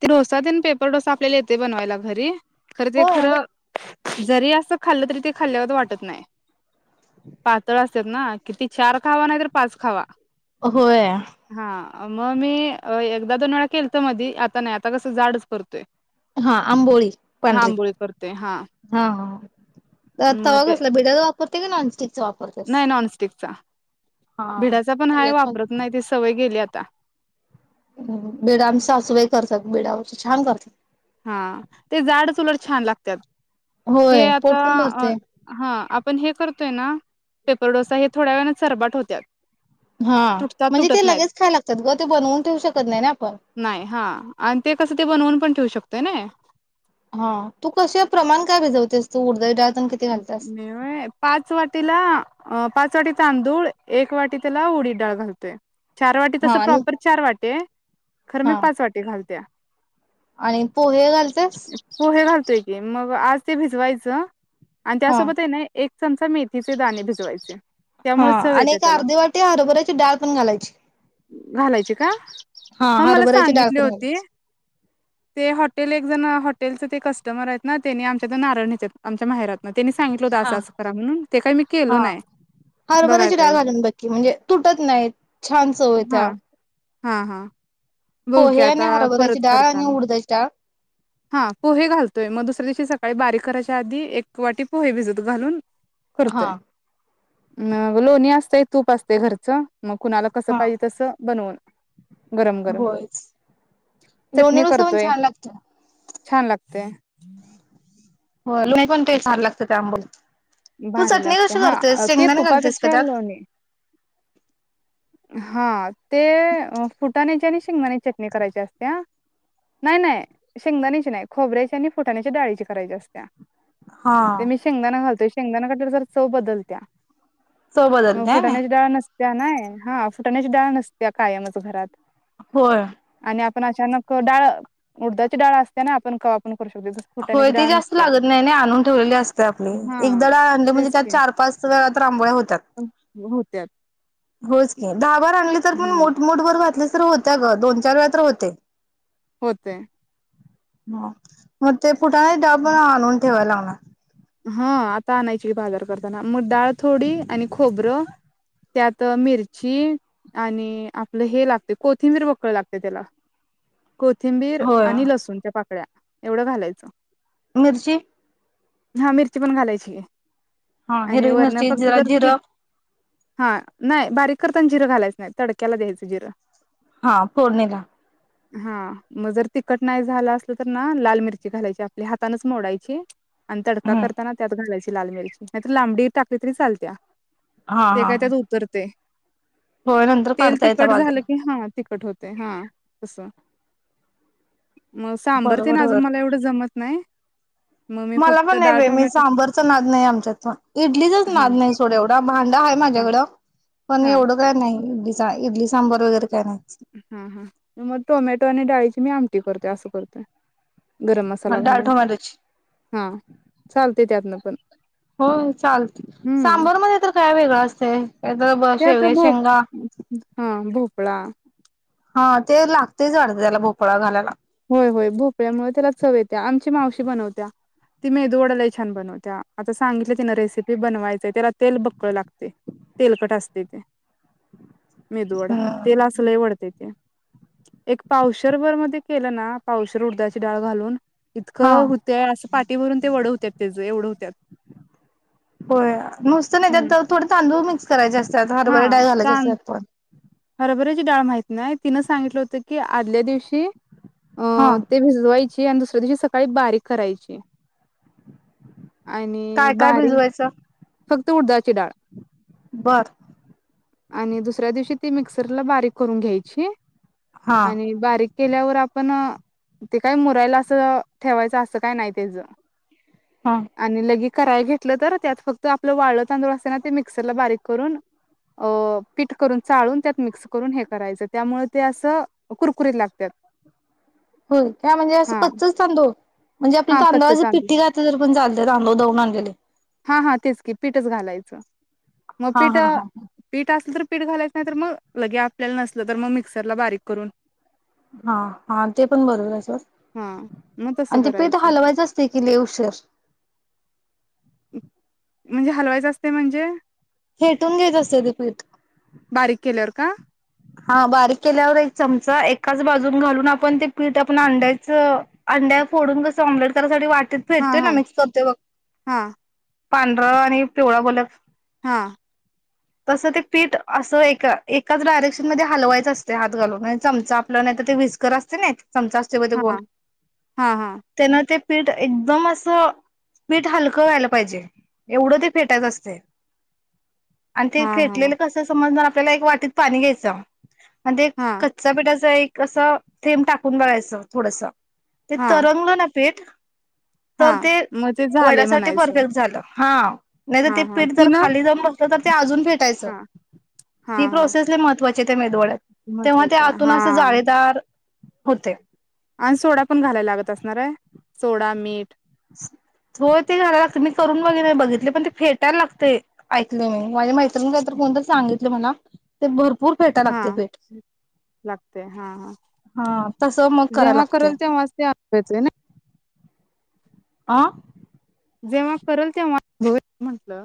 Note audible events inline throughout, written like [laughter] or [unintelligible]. ते दोन पेपर डोसा आपल्याला येते बनवायला घरी. खरं ते होय. खरं जरी असं खाल्लं तरी ते खाल्ल्यासारखा वाटत नाही. पातळ असेल ना किती चार खावा नाही. तर पाच खावा. होय आम्ही एकदा दोन वेळा केल होत मध्ये आता नाही आता कसं जाड करतोय. हा अंबोळी पण हा आंबोळी करतोय हा हा मग तावा ते कसला भिडा त प्रत्ये नाच नाही नॉनस्टिकचा हा भिडाचा पण हाय त्याच्यात वापरत नाही ती सवय गेली आ कुत्ता बेडामचाासूबाई करतात बिडाच छान करतात हा ते झाड चुलड छान लागतात हे होय आता पोट पण भरते हा आपण हे करत य ना पेपर डोसा हे थोड्या वेळ च रबाट होत्या हा म्हणजे ते लगेच खाय लागतात ग ते बनवून ठेवू शकत नाही ना आपण नाही हा आणि ते कसं ते बनवून पण ठेवू शकतोय ना हा तू कसे प्रमाण काय भिजवतेस तू उडदाच्या डाळीत म मी होय पाच वाटीला अ पाच वाटी तांदूळ एक वाटी त्याला उडी डाळ घालतोय चार वाटे हा तसं आणि प्रॉपर चार वाटे खरं मी हा पाच वाटे घालते्या आणि पोहे घालतेस पोहे घालतोय की मग आज ते भिजवायचं आणि हा त्यासोबत आहे ना एक चमचा मेथीचे दाणे भिजवायचे हा त्यामुळेव चव आणि येत एक त्याला अर्धी वाटी हरभऱ्याची डाळ पण घालायची. घालायच का हा मला हरभऱ्याची डाळ सांगितली पण होती घालायची. ते हॉटेल एक हटेलचं ते कस्टमर आहेत ना त्यांनी आमच्यात नारळणी आहेत आमच्या माहेरात हा म्हणून ते काही मी केलो हा नाही बघाय हरभऱ्याची डा पाहिजे. घालून बकी म्हणजे तुटत नाही छान चव य त्या्या हा हा पोहे आणि हरबऱ्याची डाळ आणि उडदाची डाळ हा पोहे घालतोय मग दुसऱ्या दिवशी सकाळी बारीक कराच्या आधी एक वाटी पोहे भिजत घालून हा करतोय नं लोणी असतय तूप असतय घरचं मग कुणाला कसं हा पाहिजे तसं बनवून गरम गरम. होयच लोणी चटणी नुसतं पण करतोय छान लागतं. छान लागतय. हो लोणी पण ते छान लागत त्याआंबोलीत भारी लागते हा ते घालतेस का तुपापेक्षा त्यात? लोणी हा ते फुटाण्याचे आणि शेंगदाण्याची चटणी करायची असतेया नाय नाय शेंगदाण्याची नाही खोबऱ्याची आणि फुटाण्याच्या डाळीची करायची असत्या ते हा मी शेंगदाणा घालतोय शेंगदाणा घातलं वर जरा चव बदलत्या चव बदलते हायना त्या नाय ये हा फुटाण्याची डाळ नसत्या कायमच घरात होय. आणि आपण अचानक डाळ उडदाची डळ असते ना आपण कवा पण करू शकतो तस होय फुटाण्याची ते डाळ जास्त नसत्या लागत नाय ना आणून ठेवलेली असते आपली हा एकदा डाळ आणली म्हणजे तेच त्यात की चार पाच वेळा तर आंबोळ्या होतात. त्यात होच की दहा बार आणली तर मूठ मूठ भर घातलीस होत्या ग दोन चार वेळा तर होते. होते. ह म ते फुटण्यांची डाळ पण आणून ठेवायला आणा हा आता आणायची बाजार करताना मग डाळ थोडी आणि खोबरं त्यात मिरची आणि आपलं हे लागतय कोथिंबीर वकळ लागतय त्याला कोथिंबीर होय. आणि लसूणच्या पाकळ्या एवढं घालायचं मिर्ची हा मिरची पण घालायची हा आणि हिरवी वरण मिरची फक्त जरा जर त जिरा हा नाय बारीक करताना जिरं घालायचं नाय तडक्याला द्यायचं जिरं हा फोडणीला हा मग जर तिखट नाही झालं असलं तर ना लाल मिरची घालायची आपल्या हाताानच मोडायची आणि तडका हम्म. करताना त्यात घालायची लाल मिरची नाही तर लांबडी टाकली तरी चालत्या हा ते हा काय ह त्यात उतरते. होय नंतर तेल काढता येत्या तिखट झालं बाजूला. की हा तिखट होत. ते हा कस. मग सांबर तेन बरोबर अजून बर. मला एवढं जमत नाही मग मी फक्त प डाळ नाही मी टोमॅटो सांबरच नाद नाही आमच्यात इडलीचाच हा नाद नाही सोड एवढं. [unintelligible] आहे हा माझ्याकडं. पण हा एवढं काय नाही. इडली सांबार वगैरे काय नाही. हा हा मग टोमॅटो आणि डाळीच मी आमटी करतोय असं करतोय. ह डाळ टोमॅटोची हा चालते त्यातनं पण हो चालते सांबर मधे तर काय वेगळ [unintelligible] त्या तर भो हा भो पळा. हा ते लागतेच वाढते त्याला भोपळा घालायला. होय होय भोपळ्यामुळे त्याला चव येत्या आमची मावशी बनवत्या ती मेदू वडा छान बनवत्या आता सांगितल्या तिनं रेसिपी बनवायचय त्याला तेल बक्कळ लागतय तेलकट असते ते. मेदूवडा तेल हम्म अस लई वढतय ते. एक पावशरभर मधे केलं ना पावशेर उडदाची डाळ घालून. हा इतकं हुतय असं पाटी भरून ते वड हूतेत तेच एवढ हूत्यात होय नुसत नाही त्यात थोड तांदूळ मिक्स करायचे असतात हरभरे डाळे घालायच असतात पण हरबरायची डाळ माहती नाही तिनं सांगितलं होतं की आदल्या दिवशी अ हा ते भीजवायच आणि दुसऱ्या दिवशी सकाळी बारीक करायची. आणि काय काय बारीक भिजवायचं. फक्त उडधाची डाळ बर. आणि दुसऱ्या दिवशी ती मिक्सरला बारीक करून घ्यायची. हा आणि बारीक केल्यावर आपण ते काय मुरायला असं ठेवायच असं काय नाही त्याच हा आणि लगे कराय घेतलं तर त्यात फक्त आपलं वाळल तांदूळ असते ना ते मिक्सरला बारीक करून अ पीठ करून चाळून त्यात मिक्स करून हे करायचं त्यामुळे ते असं कुरकुरीत लागत्यात. हो का म्हणजे असं कच्चच तांदूळ म्हणजे आपल्या हा तांदळा कच्च जर तांदूळ पिठठी घातल तर पण चालतय तांदळ दळूण आणलेले हा हा तेच की पीठच घालायचं मग हा पीठ हा हा पीठ असल तर पीठ घालायच नाही तर मग लगे आपल्याला नसल तर मग मिक्सरला बारीक करून हा हा ते पण बरोबर आहे हा सोड मग तसं आणि ते पीठ करायचं हलवायचं असते की लई उशीर म्हणजे हलवायचं असते म्हणजे फेटून घ्यायच असतय ते पीठ का का हा बारीक केल्यावर एक चमचा एकाच बाजून घालून आपण ते पीठ आपण अंड्याच अंड्या फोडून कस ऑम्लेट करायसाठी वाट तिथ हा फेटतोय काय हा मिक्स करतोयबघ हा पांढरं आणि पिवळा बोल्यात हा तस ते पीठ अस एका एकाच डायरेक्श मध्ये हलवायच असते हात घालून चमचा आपल्याला नाही तर ते विचकर असते नाही चमचा असतोय बघ तो हा गोल हा हा तेन ते पीट एकदम असं पीट हलकं व्हायला पाहिजे एवढं ते फेटायचं असतय आणि ते हा फेटलेलं हा कसं समजणार आप पहिला एक वाटीत पाणी घ्यायचं जा मध्ये एक हा कच्चा पीठाच एक कसं थेंब टाकून बघयचं थोडस ते हा तरंग न पेत हा तर ते मग ते झालंय वड्यासाठी म्हणायचं परफेक्ट झालं हा नाही तर ते हा हा पीठ जर तिन खाली जाऊन बसल तर ते अजून फेटायच हा हा ती हा प्रोसेस लई महत्वाची [unintelligible] तेव्हा ते महत्वाच्या आतून हा असं जाळेदार होते आण सोडा पण घालायला लागत असणारय सोडा मीठ होय ते घालायला लागतय मी करून बगी बघितलय पण ते फेटायला लागतय ऐकल माझ्या मैत्रिण कायतर कोणतर सांगितलय मला ते भरपूर फेटाय हा लागते पीठ लागतय हा हा हा तसं मग करायला जेव्हा लागते करेल तेव्हाच ते अपटायचय ना आ जेव्हा करेल तेव्हा [unintelligible] म्हंटलं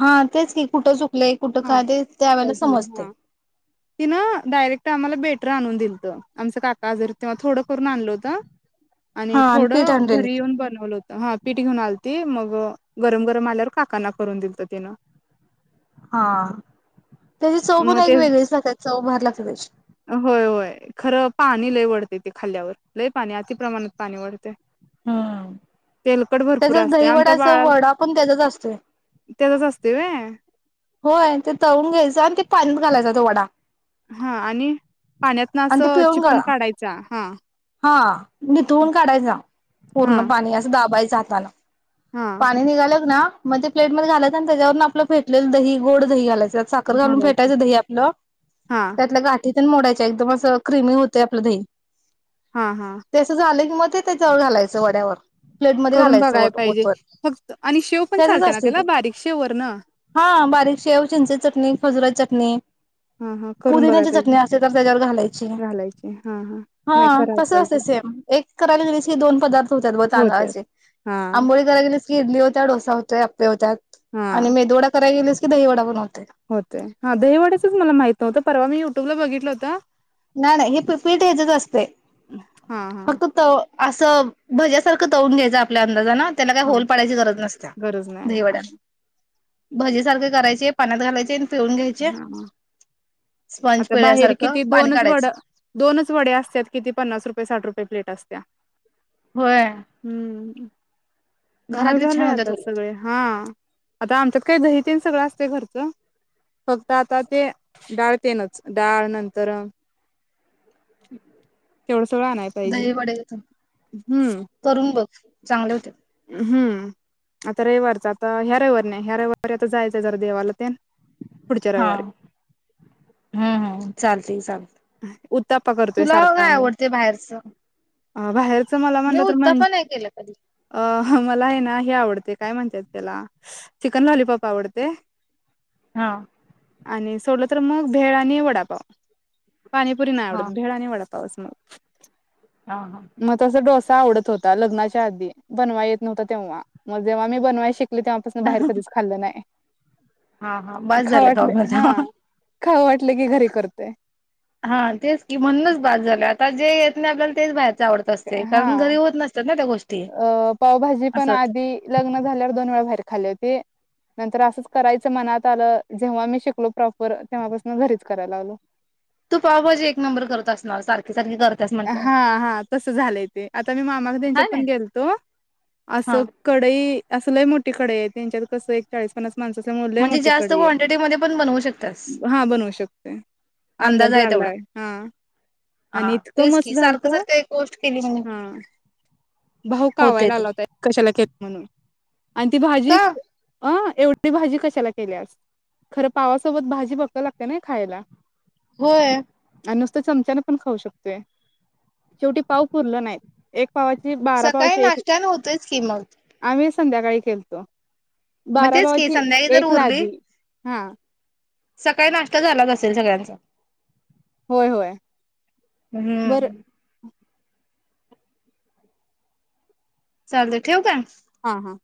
हा तेच की कुठं चुक हा काय झालंय हा तिन डायरेक्ट आम्हाला भेट कुत्र आणून दिलत आमच काका अजारी होत तेव्हा थोडं करून आणल होत आणि हा आणि पीठ थोडं आणलेले घरी येऊन बनवलं होत हा पीट घेऊन आलती मग गरम गरम आल्यावर काकांना करून दिलत तिनं हां त्याची चव पण मग एक ते वगळीच लागत्या चौ भारी लागत्या त्याची होय होय खरं पाणी लय वढतय ते खाल्ल्यावर लय पाणी अति प्रमाणात पाणी वढतय हम्म. तेलकट भरपूर त्याचाच असते आमच्या दहीवडाचा बाळाला वडा पण त्याचाच असतोय. ते तसं असतय वय होय ते तळून घ्यायचं आणि ते पाण्यात घालायचा तो वडा हा आणि पाण्यातन आणि ते असं पिळून चिपून काढा काढायचा हा हा भथळून काढायच हा पूर्ण पाणी असं दा तबाईचा हातान हा पाणी निघाल ना मग ते प्लेट ममध्ये घालायच आणि त्याच्यावरून आपलंेटले दही गोड दही घायचं त साखर घालून घालायचं फेटायचं दही आपलं हा त्यातल्या गाठी मोडायच एकदम असं क्रिमी होतेय आपलं दही हा हा तेसं झालं की मग ते तेच्याळ घालायचं वड्यावर प्लेट मधे करून घालायच बघाय पाहिजे ओतर फक्त आणि शेव पण त्याचच चालते ना असते त्याला ते बारीक शेवर ना हा बारीक शेव चिंचची चटणी खजुराची चट नी हा हा करून बघाय पाहिजे घालायची घालायचे हा हा नाही हा करायला तस असते पाहिजे सेम एक करायला गेलेस ह दोन पदार्थ होतात व होत तांदळाची हा आंबोळी करायला गेली की क इडली होत डोसा सा होत आपपे होत्यात आणि मे दोडा कराय गेलिस क दही वडा होते हा दहीवड्याचच मला माहित नव्हत परवा मी युट्यूबला बघित होता नाही नाही हे पीठ ह्याच्याच असते हा हा फक्तत असं भज्यासारखं तळून घ्यायचं आपल्या अंदाजा ना त्यांना काही हा होल पाडायची गरज नसत्या गरज नाही हा दहीवाड्यात भजी सारखे करायचे पाण्यात घालायचे तळून घ्यायचे हा स्पंज आता बाहेर पिळल्यासारखं किती पाणी दोनच वड काढायचं दोनच वड असत्याात किती पन्नास रुपये साठ रुपये प्लेट असत्या होय हम्म महाग घरातले छान झालंय होत्यात आता उलट सगळे हा आता आमच्या काही दही सगळं असते घरच फक्त आता ते डाळ तेनच डाळ नंतर तेवढं सवळं आणाय पाहिजे दही वडे हम्म करून बघ चांगले होते. हम्म आता रविवर आता ह्याऱ्यावर न रवीवारी आता जायचंय जरा देवाला ते पुढच्या हा रववारी हम्म हम चालते चालत उत्ताप्पा करतोय तुला काय आवडते बाहेरच अ बाहेर अस मला म्हणलं तर म्हणज कधी. अ मला आहे ना हे आवडते काय म्हणतायेत त्याला चिकन लॉलीपॉप आवडते. हा. आणि सोडल तर मग भेळ आणि वडापाव पाणीपुरी नाही आवडत भेळ आणि वडपाव मग [inaudible] हा हा आवत होता लग्नाच्या आधी बनवाय येत नव्हता तेव्हा मग जेव्हा मी बनवा शिक तेवपासून हा बाहेर कधीच खाल्लं नाही हा हा बस झालं ख माझ ख वाटलं की घरी करते हा तेच की म्हणूनच बाद झाले ता जे येत नाही आपल्याला तेच बाहे आवडत असते हा कारण घरी होत नसतात ना त्या गोष्ट अ पावभाजी पण आधी लग्न झाल्यावर दोन वे ा हो नंतर असच करायच मनात आ जेव्हा मी शिकलो प्रॉपर तेव्हापून घरीच करायला लागलो तू पावभजे एक नंबर करत असणार सारखेच हा हा तस झालंय ते आता मी मामा हा त्यांच्यात ना. पण गेलतो हा असं कडई अस. लय मोठी कडे आहे त्यांच्यात कसं चाळीस पन्नास. माणसं असल्यामुळे लय म्हणजे मोठी जास्त कडई क्वांटिटीमध्ये पण बनवू शकतास आहे हा बनवू शकतोय. अंदाज अंदाज आहे तेवढा. लागलाय हा आणि हा. इतकं तेच मस्त की झालत सारखं सारखं एक गोष्ट केली म्हणे हा भाऊ होते कावायला ते लागला होता कशाला खेत म्हणून आणि ती भाजी का अं एवढी भाजी कशाला केल्यास? खरं पावासोबत भाजी बक्कळ लागत्या ना खायला. होय. आणि नुसत चमचान पण खाऊ शकतोय. शेवटी पाव पुरल नाही. एक पावाची बारा सकाळी पावाची एक नाशट्यान होतयच की मग. आम्ही संध्याकाळी केलतो. म बारा तेच की पावाची संध्याकाळी जर एक उरली लादी हा. सकाळी नाष्टा झालाच असेल सगळ्यांचा होय. होय. बरं हम्म. चालू दे ठेवू का? हा. हा.